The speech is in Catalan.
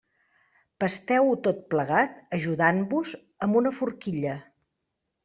Pasteu-ho tot plegat ajudant-vos amb una forquilla.